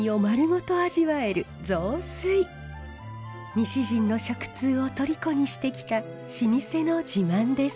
西陣の食通をとりこにしてきた老舗の自慢です。